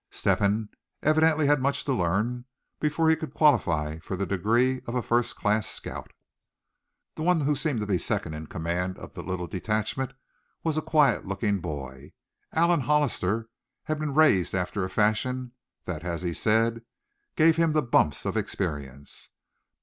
Step hen evidently had much to learn before he could qualify for the degree of a first class scout. The one who seemed to be second in Command of the little detachment was a quiet looking boy. Allan Hollister had been raised after a fashion that as he said "gave him the bumps of experience."